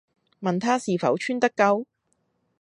問她是否穿得夠？